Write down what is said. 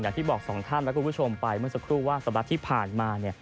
อย่างที่บอกสองท่านและคุณผู้ชมไปเมื่อสักครู่ว่าสัปดาห์ที่ผ่านมา